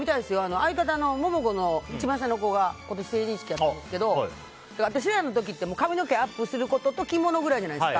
相方のモモコの一番下の子が今年、成人式やったんですけど私らのころって髪の毛をアップするのと着物ぐらいじゃないですか。